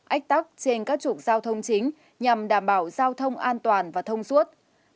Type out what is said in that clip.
ách tắc trên các trục giao thông chính nhằm đảm bảo giao thông an toàn và thông suốt